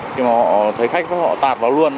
thì mà họ thấy khách họ tạt vào luôn